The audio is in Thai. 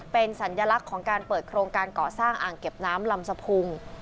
เป็นสัญลักษณ์ของการเปิดโครงการก่อสร้างอ่างเก็บน้ำลำสะพุง